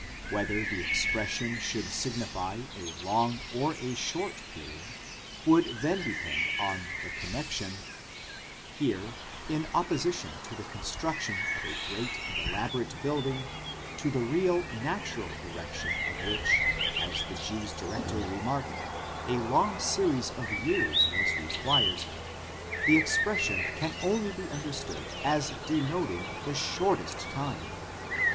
Whether the expression should signify a long or a short period would then depend on the connexion: here, in opposition to the construction of a great and elaborate building, to the real, natural erection of which, as the Jews directly remark, a long series of years was required, the expression can only be understood as denoting the shortest time.